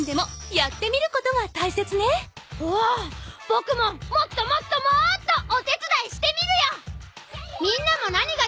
ぼくももっともっともっとおてつだいしてみるよ。